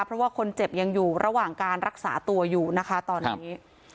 เพราะว่าคนเจ็บยังอยู่ระหว่างการรักษาตัวอยู่นะคะตอนนี้